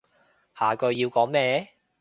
下句要講咩？